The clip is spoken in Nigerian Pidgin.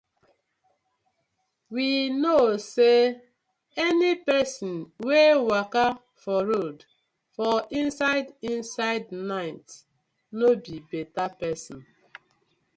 We kno say any pesin wey waka for road for inside inside night no bi beta pesin.